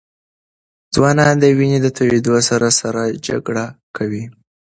ځوانان د وینې د تویېدو سره سره جګړه کوي.